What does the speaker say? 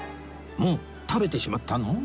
もう食べてしまったの？